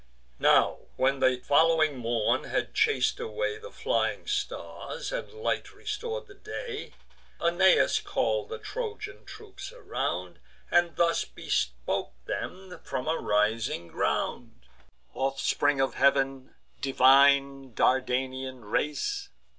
Now, when the following morn had chas'd away The flying stars, and light restor'd the day, Aeneas call'd the Trojan troops around, And thus bespoke them from a rising ground: "Offspring of heav'n, divine Dardanian race!